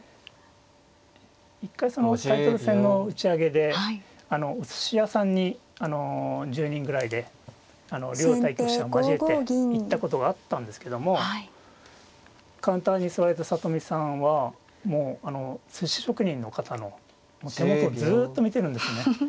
一回タイトル戦の打ち上げでおすし屋さんに１０人ぐらいで両対局者を交えて行ったことがあったんですけどもカウンターに座られた里見さんはもうあのすし職人の方の手元をずっと見てるんですね。